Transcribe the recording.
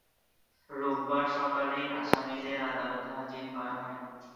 রোববার সকালেই আসামীদের আদালতে হাজির করা হয়।